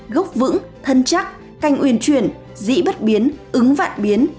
gốc vững thân chắc canh uyên chuyển dĩ bất biến ứng vạn biến